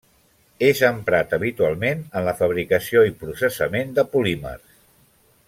És emprat habitualment en la fabricació i processament de polímers.